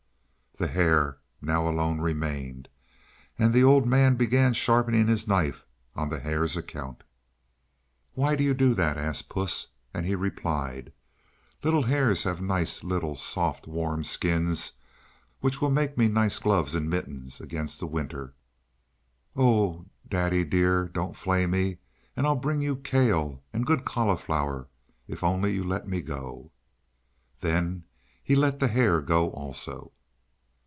The hare now alone remained, and the old man began sharpening his knife on the hare's account. "Why do you do that?" asked Puss, and he replied: "Little hares have nice little, soft, warm skins, which will make me nice gloves and mittens against the winter!" "Oh! daddy dear! Don't flay me, and I'll bring you kale and good cauliflower if only you let me go!" Then he let the hare go also.